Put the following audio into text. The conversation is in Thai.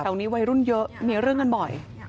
แถวนี้วัยรุ่นเยอะมีเรื่องกันบ่อย